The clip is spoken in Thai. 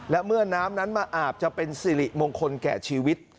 และเมื่อน้ำนั้นมาอาบจะเป็นสิริมงคลแก่ชีวิต